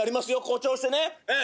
誇張してねええ